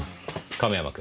亀山君。